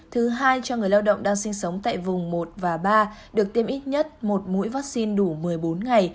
thứ hai cho người lao động đang sinh sống tại vùng một và ba được tiêm ít nhất một mũi vaccine đủ một mươi bốn ngày